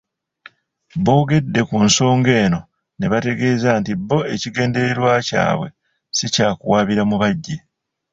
Boogedde ku nsonga eno ne bategeeza nti bo ekigendererwa kyabwe si kyakuwaabira Mubajje.